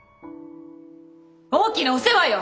大きなお世話よ！